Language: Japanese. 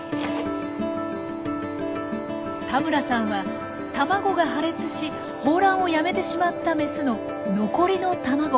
田村さんは卵が破裂し抱卵をやめてしまったメスの残りの卵を機械で温めていたんです。